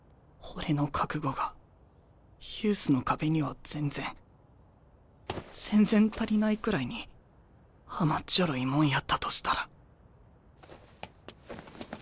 俺の覚悟がユースの壁には全然全然足りないくらいに甘っちょろいもんやったとしたら。